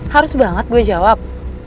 harus banget gue jawab